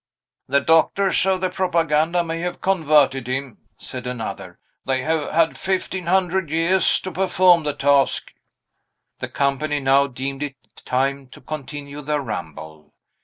"The doctors of the Propaganda may have converted him," said another; "they have had fifteen hundred years to perform the task." The company now deemed it time to continue their ramble.